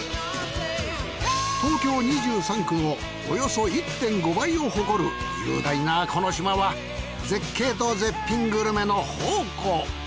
東京２３区のおよそ１．５倍を誇る雄大なこの島は絶景と絶品グルメの宝庫。